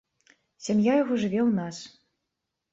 Сям'я яго жыве ў нас.